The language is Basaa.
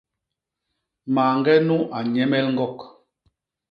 Mañge nu a nnyemel ñgok.